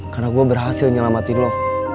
karena gua berhasil nyelamatin lo